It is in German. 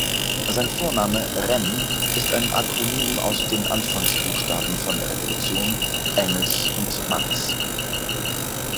Sein Vorname Rem ist ein Akronym aus den Anfangsbuchstaben von Revolution, Engels und Marx.